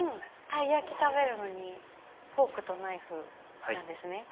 たい焼き食べるのにフォークとナイフなんですね。